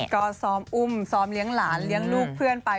ก็ซ้อมอุ้มซ้อมเลี้ยงหลานเลี้ยงลูกเพื่อนไป